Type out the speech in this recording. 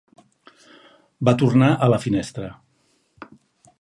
Va tornar a la finestra.